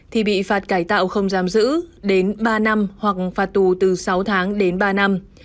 thì bị phạt cải tạo không giam giữ đến ba năm hoặc phạt tù từ sáu tháng đến ba năm